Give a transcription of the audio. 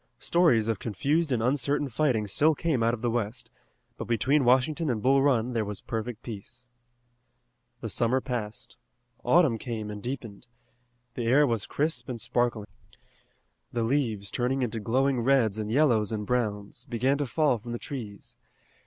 Stories of confused and uncertain fighting still came out of the west, but between Washington and Bull Run there was perfect peace. The summer passed. Autumn came and deepened. The air was crisp and sparkling. The leaves, turned into glowing reds and yellows and browns, began to fall from the trees.